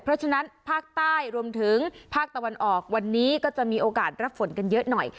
เพราะฉะนั้นภาคใต้รวมถึงภาคตะวันออกวันนี้ก็จะมีโอกาสรับฝนกันเยอะหน่อย